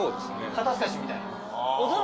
肩透かしみたいな。